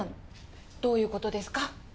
どういうことですか？